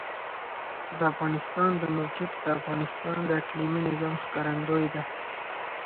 د افغانستان د موقعیت د افغانستان د اقلیمي نظام ښکارندوی ده.